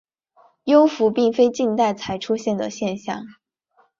幽浮并非近代才出现的现象。